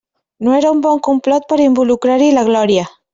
No era un bon complot per involucrar-hi la Glòria!